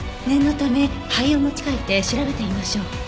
念のため灰を持ち帰って調べてみましょう。